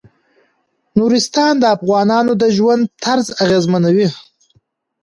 نورستان د افغانانو د ژوند طرز اغېزمنوي.